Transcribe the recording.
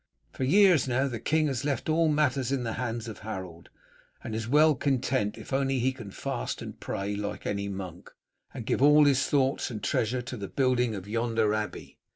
For years now the king has left all matters in the hands of Harold, and is well content if only he can fast and pray like any monk, and give all his thoughts and treasure to the building of yonder abbey."